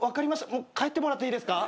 もう帰ってもらっていいですか？